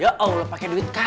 ya allah pake duit kas